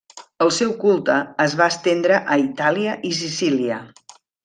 El seu culte es va estendre a Itàlia i Sicília.